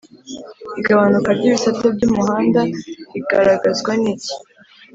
igabanuka ry’ibisate by’umuhanda rigaragazwa niki